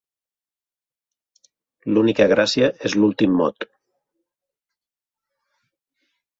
L'única gràcia és l'últim mot.